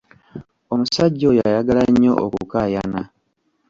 Omusajja oyo ayagala nnyo okukaayana.